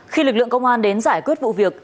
khi lực lượng công an đến giải quyết vụ việc